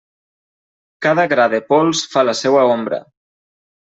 Cada gra de pols fa la seua ombra.